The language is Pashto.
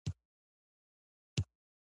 د بامیان بودا د کوشانیانو په وخت جوړ شو